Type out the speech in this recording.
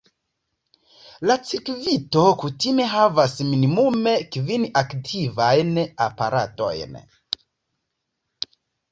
La cirkvito kutime havas minimume kvin aktivajn aparatojn.